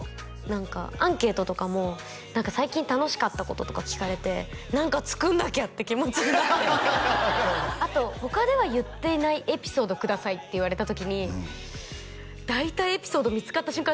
何かアンケートとかも最近楽しかったこととか聞かれて何かつくんなきゃって気持ちになってあと他では言っていないエピソードくださいって言われた時に大体エピソード見つかった瞬間